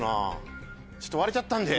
ちょっと割れちゃったんで。